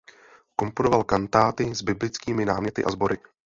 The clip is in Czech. Komponoval kantáty s biblickými náměty a sbory.